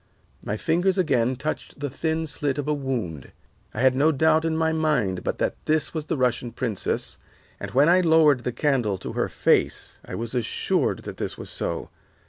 My fingers again touched the thin slit of a wound. I had no doubt in my mind but that this was the Russian princess, and when I lowered the candle to her face I was assured that this was so.